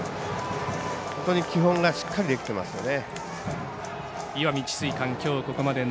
本当に基本がしっかりできてますよね。